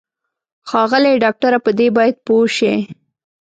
ښاغلی ډاکټره په دې باید پوه شې.